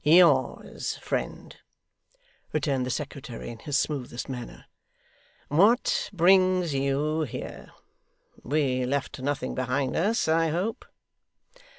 'Yours, friend,' returned the secretary in his smoothest manner. 'What brings YOU here? We left nothing behind us, I hope?